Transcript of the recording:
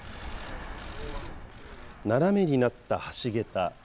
斜めになった橋桁。